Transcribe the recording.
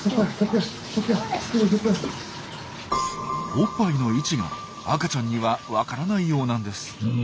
おっぱいの位置が赤ちゃんには分からないようなんです。